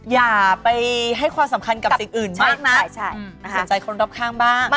อย่าไปให้ความสำคัญกับสิ่งอื่นมากนักเห็นใจคนรอบข้างบ้าง